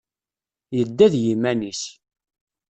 Yedda d yiman-is.